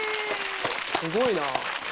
すごいな。